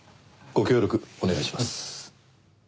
ご協力お願いします。